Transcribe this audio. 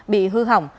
bị hư hỏng